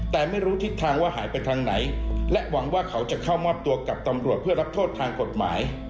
แต่ไม่รู้ทิศทางว่าหายไปทางไหนและหวังว่าเขาจะเข้ามอบตัวกับตำรวจเพื่อรับโทษทางกฎหมาย